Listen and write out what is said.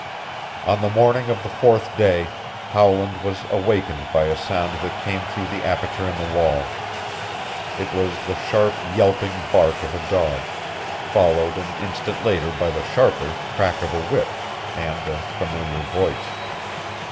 On the morning of the fourth day Howland was awakened by a sound that came through the aperture in the wall. It was the sharp yelping bark of a dog, followed an instant later by the sharper crack of a whip, and a familiar voice.